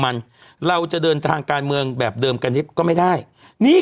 มันเราจะเดินทางการเมืองแบบเดิมกันก็ไม่ได้นี่